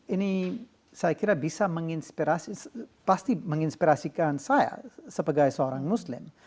ini saya kira bisa menginspirasi pasti menginspirasikan saya sebagai seorang muslim